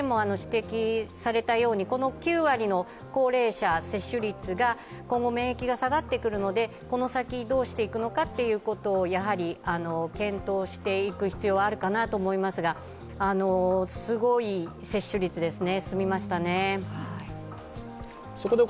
この９割の高齢者、接種率が今後免疫が下がってくるので、この先、どうしていくのかということを検討していく必要はあるかなと思いますがすごい接種率ですね。